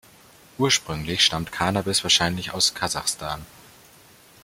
Ursprünglich stammt Cannabis wahrscheinlich aus Kasachstan.